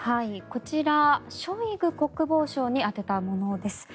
こちら、ショイグ国防相に宛てたものです。